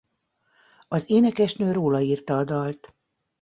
Az énekesnő róla írta a dalt.